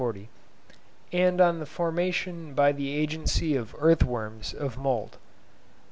and on the Formation by the Agency of Earth worms of Mould.